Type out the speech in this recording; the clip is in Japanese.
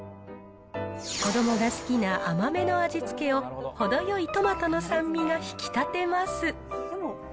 子どもが好きな甘めの味付けを、程よいトマトの酸味が引き立てます。